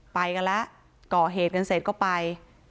ไปกันละเกาะเหตุสร้างเสร็จก็ไป